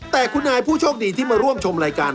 แต่คุณนายผู้โชคดีที่มาร่วมชมรายการ